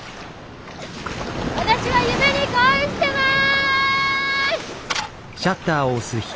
私は夢に恋してます。